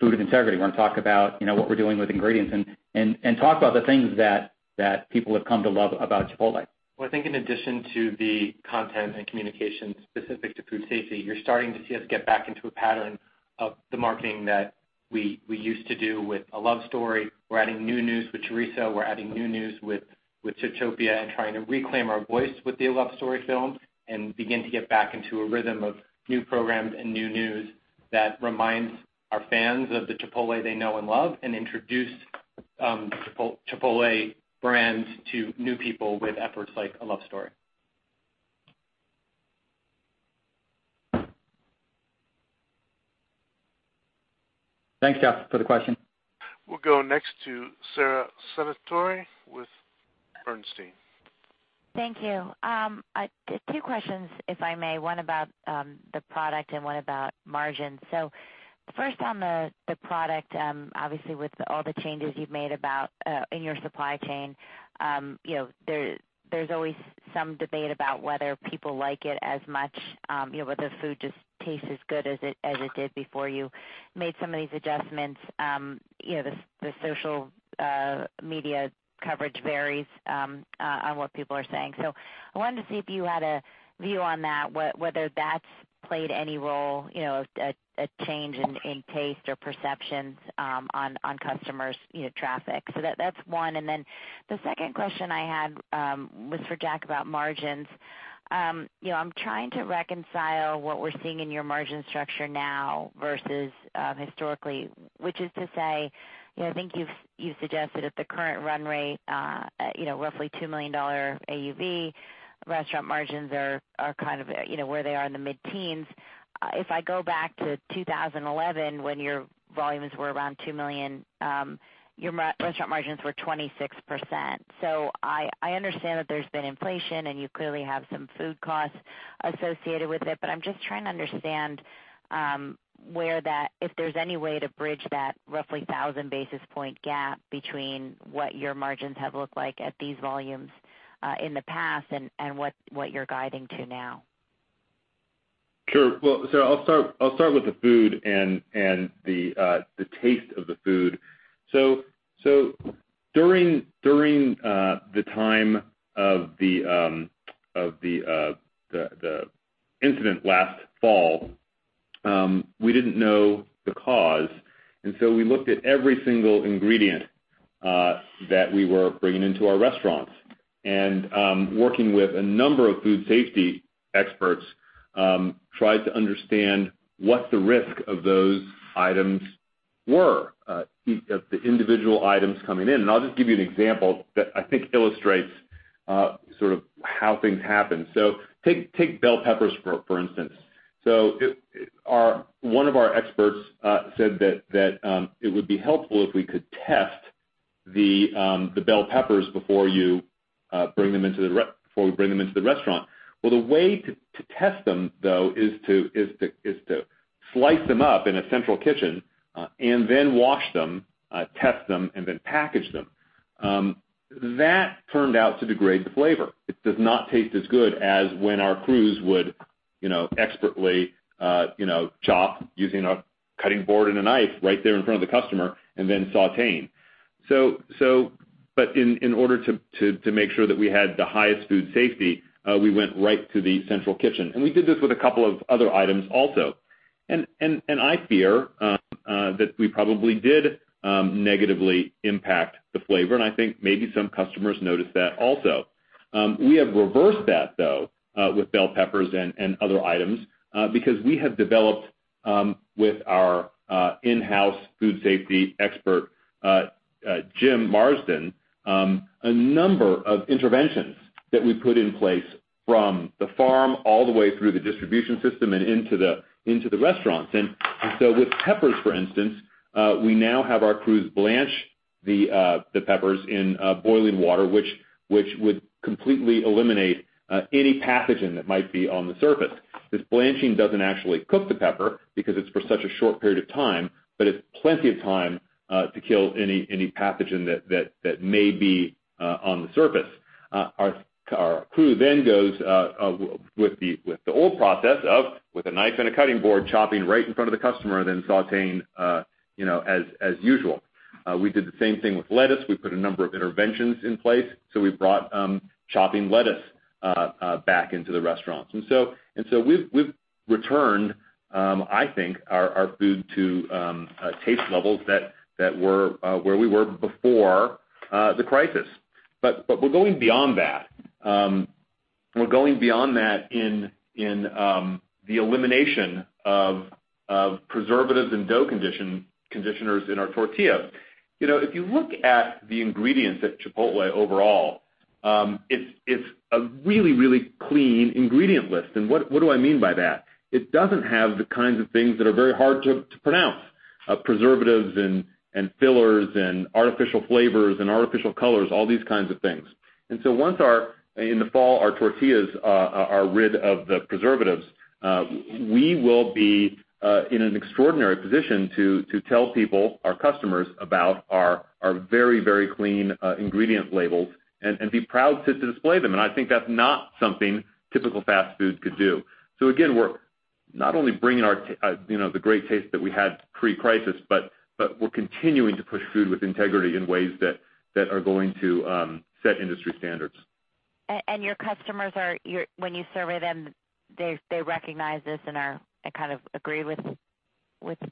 food with integrity. We're going to talk about what we're doing with ingredients and talk about the things that people have come to love about Chipotle. I think in addition to the content and communication specific to food safety, you're starting to see us get back into a pattern of the marketing that we used to do with A Love Story. We're adding new news with Chorizo. We're adding new news with Chiptopia and trying to reclaim our voice with the A Love Story film and begin to get back into a rhythm of new programs and new news that reminds our fans of the Chipotle they know and love and introduce Chipotle brands to new people with efforts like A Love Story. Thanks, Jeff, for the question. We'll go next to Sara Senatore with Bernstein. Thank you. Two questions, if I may. One about the product and one about margins. First on the product, obviously with all the changes you've made in your supply chain, there's always some debate about whether people like it as much, whether food just tastes as good as it did before you made some of these adjustments. The social media coverage varies on what people are saying. I wanted to see if you had a view on that, whether that's played any role, a change in taste or perceptions on customers traffic. That's one. The second question I had was for Jack about margins. I'm trying to reconcile what we're seeing in your margin structure now versus historically, which is to say, I think you've suggested at the current run rate, roughly $2 million AUV restaurant margins are where they are in the mid-teens. If I go back to 2011, when your volumes were around $2 million, your restaurant margins were 26%. I understand that there's been inflation and you clearly have some food costs associated with it, but I'm just trying to understand if there's any way to bridge that roughly 1,000 basis point gap between what your margins have looked like at these volumes in the past and what you're guiding to now. Sure. Sara, I'll start with the food and the taste of the food. During the time of the incident last fall, we didn't know the cause. We looked at every single ingredient that we were bringing into our restaurants. Working with a number of food safety experts, tried to understand what the risk of those items were, of the individual items coming in. I'll just give you an example that I think illustrates how things happen. Take bell peppers, for instance. One of our experts said that it would be helpful if we could test the bell peppers before we bring them into the restaurant. The way to test them, though, is to slice them up in a central kitchen and then wash them, test them, and then package them. That turned out to degrade the flavor. It does not taste as good as when our crews would expertly chop using a cutting board and a knife right there in front of the customer and then sautéing. In order to make sure that we had the highest food safety, we went right to the central kitchen. We did this with a couple of other items also. I fear that we probably did negatively impact the flavor, and I think maybe some customers noticed that also. We have reversed that though with bell peppers and other items, because we have developed with our in-house food safety expert, James Marsden, a number of interventions that we put in place from the farm all the way through the distribution system and into the restaurants. With peppers, for instance, we now have our crews blanch the peppers in boiling water, which would completely eliminate any pathogen that might be on the surface. This blanching doesn't actually cook the pepper because it's for such a short period of time, but it's plenty of time to kill any pathogen that may be on the surface. Our crew goes with the old process of, with a knife and a cutting board, chopping right in front of the customer, then sautéing as usual. We did the same thing with lettuce. We put a number of interventions in place. We brought chopping lettuce back into the restaurants. We've returned, I think, our food to taste levels that were where we were before the crisis. We're going beyond that. We're going beyond that in the elimination of preservatives and dough conditioners in our tortillas. If you look at the ingredients at Chipotle overall, it's a really, really clean ingredient list. What do I mean by that? It doesn't have the kinds of things that are very hard to pronounce, preservatives and fillers and artificial flavors and artificial colors, all these kinds of things. Once our, in the fall, our tortillas are rid of the preservatives, we will be in an extraordinary position to tell people, our customers, about our very, very clean ingredient labels and be proud to display them. I think that's not something typical fast food could do. Again, we're not only bringing the great taste that we had pre-crisis, but we're continuing to push food with integrity in ways that are going to set industry standards. Your customers, when you survey them, they recognize this and kind of agree with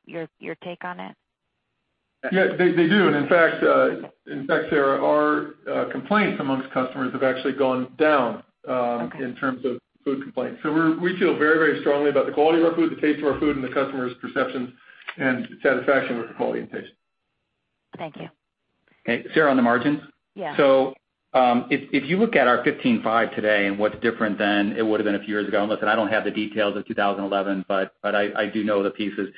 your take on it? Yeah, they do. In fact, Sara, our complaints amongst customers have actually gone down- Okay in terms of food complaints. We feel very, very strongly about the quality of our food, the taste of our food, and the customer's perception and satisfaction with the quality and taste. Thank you. Okay, Sara, on the margins? Yeah. If you look at our 15.5 today and what's different than it would've been a few years ago, listen, I don't have the details of 2011, but I do know the pieces.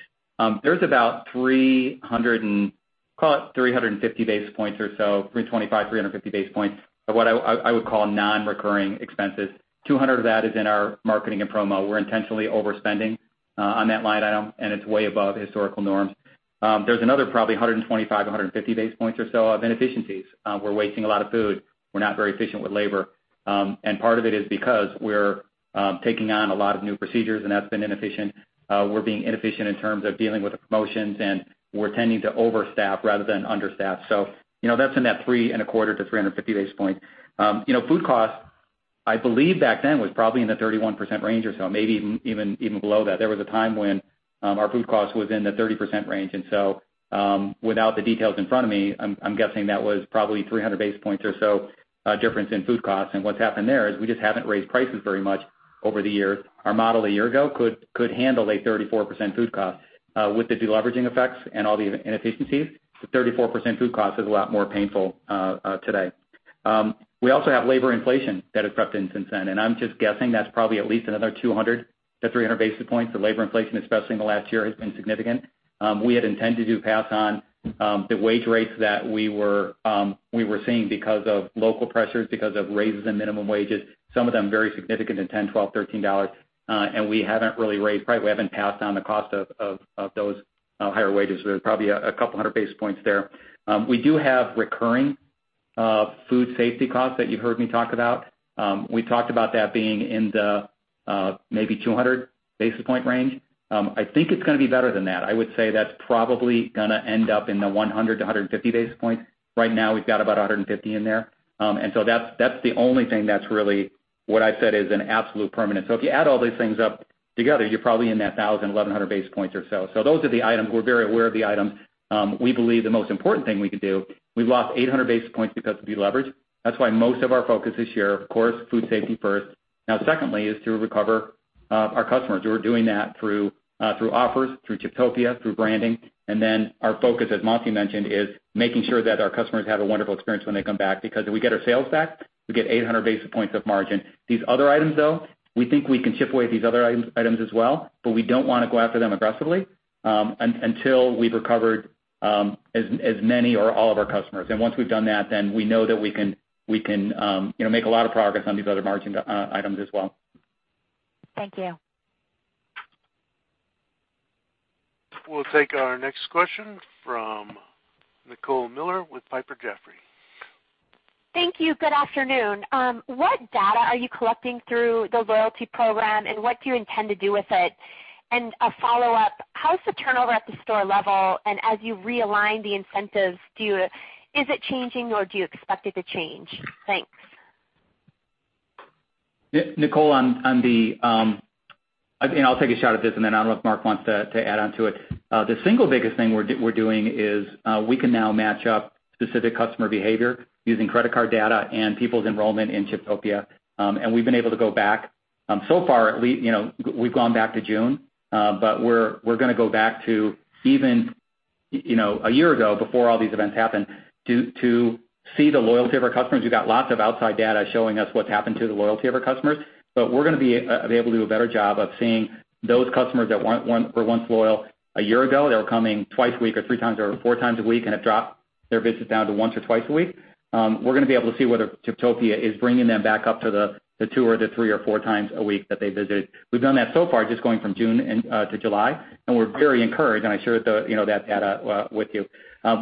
There's about 300 and, call it 350 basis points or so, 325, 350 basis points of what I would call non-recurring expenses. 200 of that is in our marketing and promo. We're intentionally overspending on that line item, and it's way above historical norms. There's another probably 125, 150 basis points or so of inefficiencies. We're wasting a lot of food. We're not very efficient with labor. Part of it is because we're taking on a lot of new procedures, and that's been inefficient. We're being inefficient in terms of dealing with the promotions, and we're tending to overstaff rather than understaff. That's in that three and a quarter to 350 basis points. Food cost, I believe back then was probably in the 31% range or so, maybe even below that. There was a time when our food cost was in the 30% range. Without the details in front of me, I'm guessing that was probably 300 basis points or so difference in food costs. What's happened there is we just haven't raised prices very much over the years. Our model a year ago could handle a 34% food cost. With the deleveraging effects and all the inefficiencies, the 34% food cost is a lot more painful today. We also have labor inflation that has crept in since then, and I'm just guessing that's probably at least another 200 basis points-300 basis points. The labor inflation, especially in the last year, has been significant. We had intended to pass on the wage rates that we were seeing because of local pressures, because of raises in minimum wages, some of them very significant in $10, $12, $13. We haven't really raised price, we haven't passed on the cost of those higher wages. There's probably 200 basis points there. We do have recurring food safety costs that you've heard me talk about. We talked about that being in the maybe 200 basis point range. I think it's going to be better than that. I would say that's probably going to end up in the 100 basis points-150 basis points. Right now, we've got about 150 in there. That's the only thing that's really what I've said is an absolute permanent. If you add all these things up together, you're probably in that 1,000, 1,100 basis points or so. Those are the items. We are very aware of the items. We believe the most important thing we can do, we have lost 800 basis points because of deleverage. That is why most of our focus this year, of course, food safety first. Secondly is to recover our customers who are doing that through offers, through Chiptopia, through branding. Our focus, as Monty mentioned, is making sure that our customers have a wonderful experience when they come back because if we get our sales back, we get 800 basis points of margin. These other items, though, we think we can chip away at these other items as well, but we do not want to go after them aggressively until we have recovered as many or all of our customers. Once we have done that, then we know that we can make a lot of progress on these other margin items as well. Thank you. We will take our next question from Nicole Miller with Piper Jaffray. Thank you. Good afternoon. What data are you collecting through the loyalty program, and what do you intend to do with it? A follow-up, how's the turnover at the store level? As you realign the incentives, is it changing or do you expect it to change? Thanks. Nicole, I'll take a shot at this, then I don't know if Mark wants to add onto it. The single biggest thing we're doing is we can now match up specific customer behavior using credit card data and people's enrollment in Chiptopia. We've been able to go back, so far, we've gone back to June, but we're going to go back to even a year ago before all these events happened, to see the loyalty of our customers. We've got lots of outside data showing us what's happened to the loyalty of our customers, but we're going to be able to do a better job of seeing those customers that were once loyal a year ago, they were coming twice a week or three times or four times a week, and have dropped their visits down to once or twice a week. We're going to be able to see whether Chiptopia is bringing them back up to the two or the three or four times a week that they visited. We've done that so far, just going from June to July, and we're very encouraged, and I shared that data with you.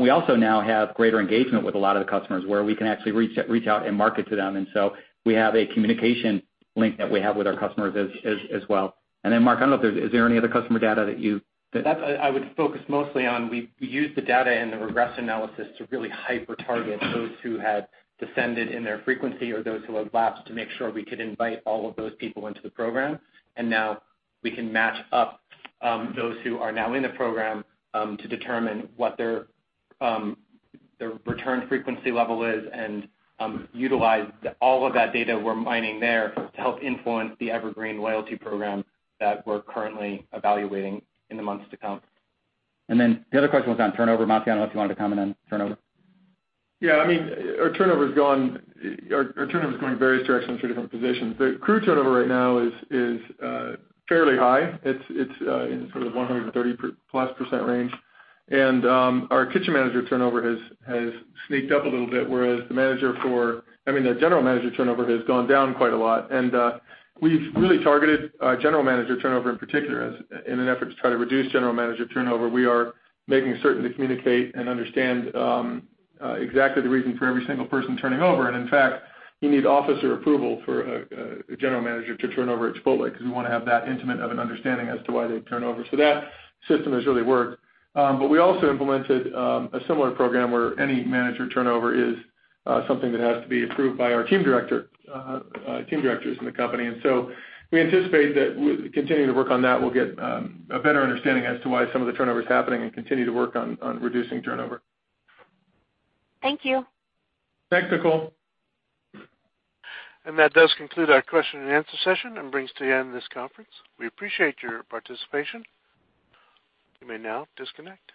We also now have greater engagement with a lot of the customers, where we can actually reach out and market to them. So we have a communication link that we have with our customers as well. Then Mark, I don't know, is there any other customer data that you- I would focus mostly on, we used the data and the regression analysis to really hyper target those who had descended in their frequency or those who had lapsed to make sure we could invite all of those people into the program. Now we can match up those who are now in the program to determine what their return frequency level is and utilize all of that data we're mining there to help influence the evergreen loyalty program that we're currently evaluating in the months to come. The other question was on turnover. Monty, I don't know if you wanted to comment on turnover. Our turnover is going various directions for different positions. The crew turnover right now is fairly high. It's in sort of 130%+ range. Our kitchen manager turnover has sneaked up a little bit, whereas the general manager turnover has gone down quite a lot. We've really targeted general manager turnover in particular. In an effort to try to reduce general manager turnover, we are making certain to communicate and understand exactly the reason for every single person turning over. In fact, you need officer approval for a general manager to turn over at Chipotle because we want to have that intimate of an understanding as to why they've turned over. That system has really worked. We also implemented a similar program where any manager turnover is something that has to be approved by our team directors in the company. We anticipate that continuing to work on that, we'll get a better understanding as to why some of the turnover is happening and continue to work on reducing turnover. Thank you. Thanks, Nicole. That does conclude our question and answer session and brings to the end of this conference. We appreciate your participation. You may now disconnect.